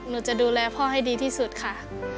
หนูจะดูแลพ่อให้ดีที่สุดค่ะ